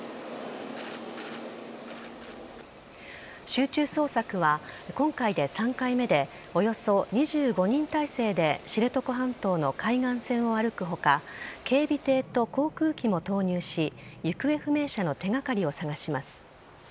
集中捜索は今回で３回目でおよそ２５人態勢で知床半島の海岸線を歩く他警備艇と航空機も投入し行方不明者の手掛かりを探します。